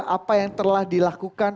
apa yang telah dilakukan